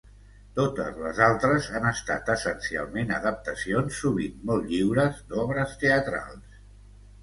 Totes les altres han estat essencialment adaptacions, sovint molt lliures, d'obres teatrals.